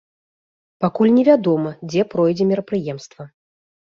Пакуль невядома, дзе пройдзе мерапрыемства.